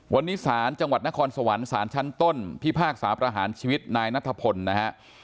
วันนี้ศาลจังหวัดนครสวรรค์สารชั้นต้นพิพากษาประหารชีวิตนายนัทพลนะฮะ